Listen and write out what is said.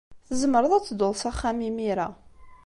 Tzemreḍ ad tedduḍ s axxam imir-a.